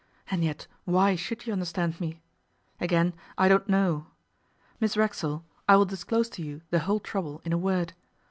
And yet why should you understand me? Again, I don't know. Miss Racksole, I will disclose to you the whole trouble in a word.